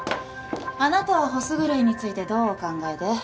あなたはホス狂いについてどうお考えで？